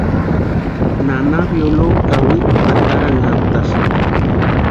Nana Violoo kawikwa ataranhantasïnti.